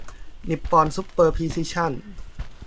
นิปปอนซุปเปอร์พรีซิชั่น